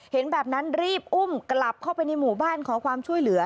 เห็นแบบนั้นรีบอุ้มกลับเข้าไปในหมู่บ้านขอความช่วยเหลือ